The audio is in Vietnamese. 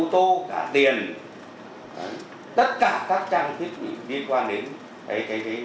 tất cả các trang thức đi qua đến cái khu vực này